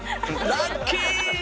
ラッキー！